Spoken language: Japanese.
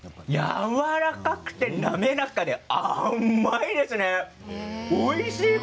やわらかくて滑らかで甘いですね。